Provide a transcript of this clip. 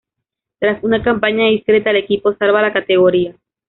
Tras una campaña discreta el equipo salva la categoría.